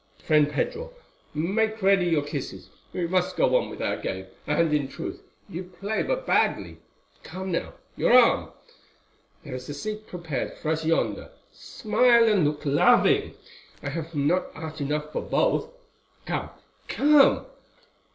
Friend Pedro, make ready your kisses, we must go on with our game, and, in truth, you play but badly. Come now, your arm. There is a seat prepared for us yonder. Smile and look loving. I have not art enough for both. Come!—come!"